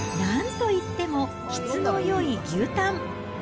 その訳は、なんといっても、質のよい牛タン。